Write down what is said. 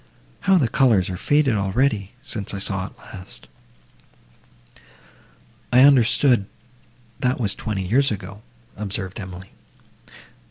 How the colours are faded already!—since I saw it last!" "I understood, that was twenty years ago," observed Emily.